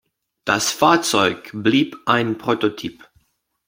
Das Fahrzeug blieb ein Prototyp.